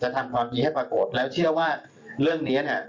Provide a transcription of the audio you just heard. ทำความดีให้ปรากฏแล้วเชื่อว่าเรื่องนี้เนี่ย